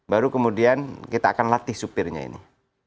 baru kemudian kita akan latih supirnya ini